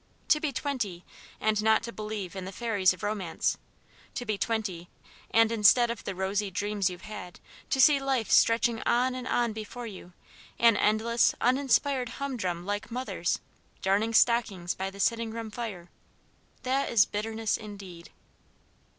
To be twenty, and not to believe in the fairies of Romance; to be twenty and, instead of the rosy dreams you've had, to see life stretching on and on before you, an endless, uninspired humdrum like mother's, darning stockings by the sitting room fire that is bitterness indeed.